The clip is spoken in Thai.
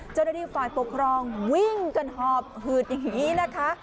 เจ้าหน้าที่ฝ่ายปกครองวิ่งกันหอบหืดอย่างนี้นะคะ